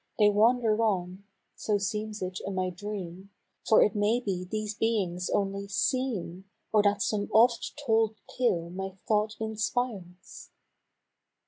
They wander on (so seems it in my dream. For it may be these beings only seem^ Or that some oft told tale my thought inspires).